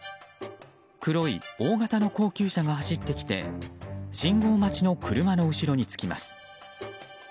黒い大型の高級車が走ってきて信号待ちの車の後ろにつきます。